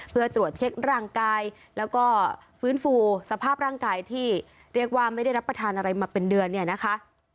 เพื่อตรวจเช็คร่างกายแล้วก็ฟื้นฟูสภาพร่างกายที่เรียกว่าไม่ได้รับประทานอะไรมาเป็นเดือนเนี่ยนะคะ